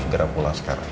gerak pulang sekarang ya